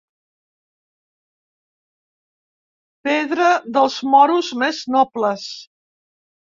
Pedra dels moros més nobles.